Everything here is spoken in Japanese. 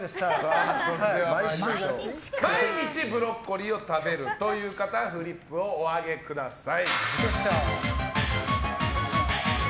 それでは毎日ブロッコリーを食べるという方フリップをお上げください。